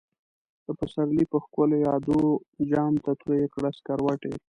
دپسرلی په ښکلو يادو، جام ته تويې کړه سکروټی